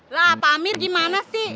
lah pak amir gimana sih